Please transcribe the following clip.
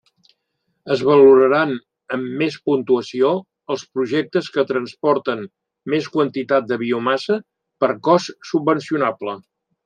Es valoraran amb més puntuació els projectes que transporten més quantitat de biomassa per cost subvencionable.